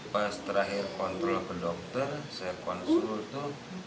pas terakhir kontrol ke dokter saya konsul itu